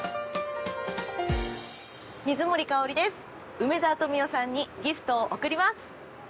梅沢富美男さんにギフトを贈ります。